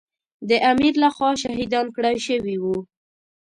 د امیر له خوا شهیدان کړای شوي وو.